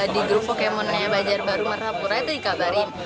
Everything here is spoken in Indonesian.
di grup pokemonnya banjarbaru merah purai itu dikabarin